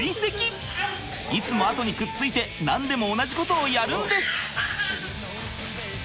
いつも後にくっついて何でも同じことをやるんです。